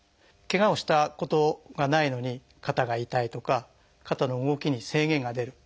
けがをしたことがないのに肩が痛いとか肩の動きに制限が出る。